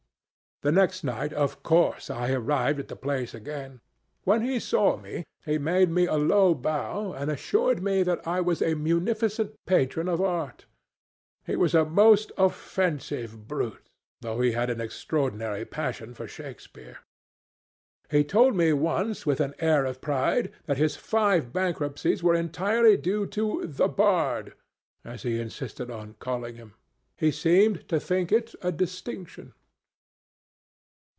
The next night, of course, I arrived at the place again. When he saw me, he made me a low bow and assured me that I was a munificent patron of art. He was a most offensive brute, though he had an extraordinary passion for Shakespeare. He told me once, with an air of pride, that his five bankruptcies were entirely due to 'The Bard,' as he insisted on calling him. He seemed to think it a distinction."